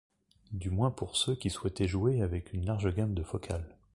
Du moins pour ceux qui souhaitent jouer avec une large gamme de focales.